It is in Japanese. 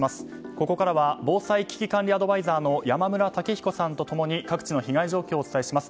ここからは防災・危機管理アドバイザーの山村武彦さんと共に各地の被害状況をお伝えします。